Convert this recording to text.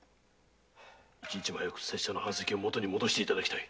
一日も早く拙者の藩籍を元に戻していただきたい。